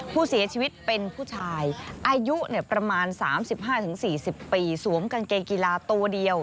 ผู้เสียชีวิตเป็นผู้ชายอายุประมาณ๓๕๔๐ปีสวมกางเกงกีฬาตัวเดียว